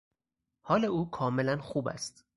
حال او کاملا خوب است.